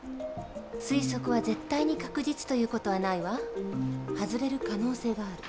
推測は絶対に確実という事はないわ。外れる可能性がある。